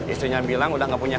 istrinya bilang udah gak punya